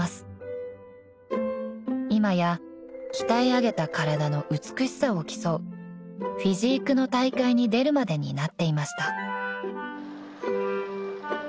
［今や鍛え上げた体の美しさを競うフィジークの大会に出るまでになっていました］